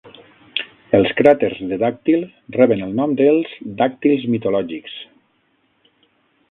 Els cràters de Dàctil reben el nom dels Dàctils mitològics.